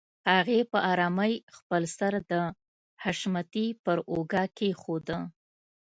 هغې په آرامۍ خپل سر د حشمتي پر اوږه کېښوده.